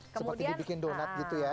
seperti dibikin donat gitu ya